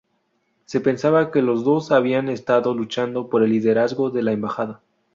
Se pensaba que los dos habían estado luchando por el liderazgo de la embajada.